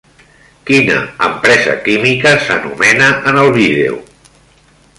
Quina empresa química s'anomena en el vídeo?